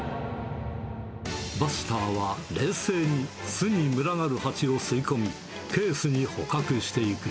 バスターは、冷静に巣に群がるハチを吸い込み、ケースに捕獲していく。